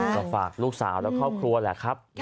ก็ฝากลูกสาวและครอบครัวแหละครับ